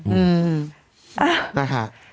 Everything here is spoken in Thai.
อืมนะคะ